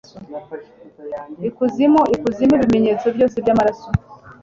ikuzimu ikuzimu ibimenyetso byose byamaraso